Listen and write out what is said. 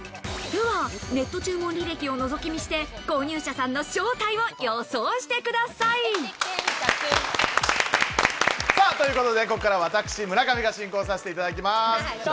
では、ネット注文履歴をのぞき見して、購入者さんの正体を予想してください。ということでここからは私村上が進行させていただきます。